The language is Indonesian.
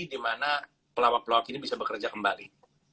di mana pelawak pelawak ini bisa bekerja kembali